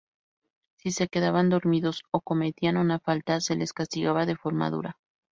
Si se quedaban dormidos o cometían una falta, se les castigaba de forma dura.